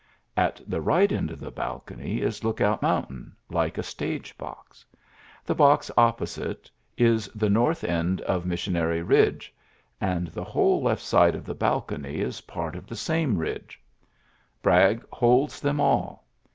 At the rig end of the balcony is Lookout Moimtai like a stage box. The box opposite the north end of Missionary Eidge ; a the whole left side of the balcony is pj of the same ridge. Bragg holds thi all.